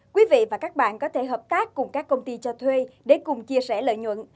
quý vị và các bạn có thể hợp tác cùng các công ty cho thuê để cùng chia sẻ lợi nhuận